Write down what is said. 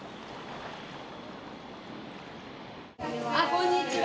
こんにちは。